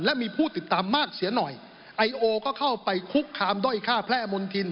และมีผู้ติดตามมากเสียหน่อยไอโอก็เข้าไปคุกคามด้อยฆ่าแพร่มนธิน